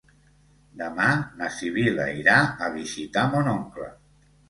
Demà na Sibil·la irà a visitar mon oncle.